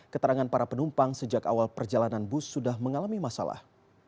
keterangan para penumpang sejak awal perjalanan bus sudah mengalami masalah